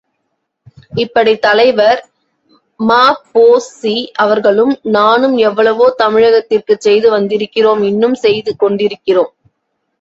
இப்படி தலைவர் ம.பொ.சி.அவர்களும் நானும் எவ்வளவோ தமிழகத்திற்குச் செய்து வந்திருக்கிறோம் இன்னும் செய்து கொண்ருக்கிறோம்.